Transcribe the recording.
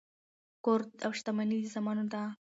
کور او شتمني د زامنو ده.